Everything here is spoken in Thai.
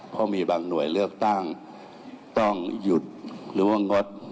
เพราะมีบางหน่วยเลือกตั้งต้องหยุดหรือว่างด